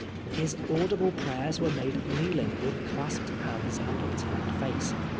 His audible prayers were made kneeling with clasped hands and upturned face.